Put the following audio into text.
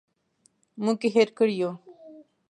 موږ یې هېر کړي یوو.